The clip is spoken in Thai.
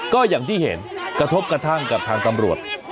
ก็อย่างที่เห็นกระทบกระทั่งกับทางตำรวจ